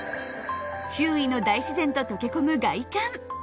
周囲の大自然と溶け込む外観。